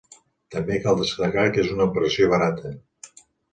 També cal destacar que és una operació barata.